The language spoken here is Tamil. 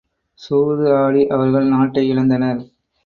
சூது ஆடி அவர்கள் நாட்டை இழந்தனர்.